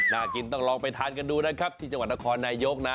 น่ากินต้องลองไปทานกันดูนะครับที่จังหวัดนครนายกนะ